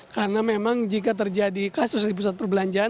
karena memang jika terjadi kasus di pusat perbelanjaan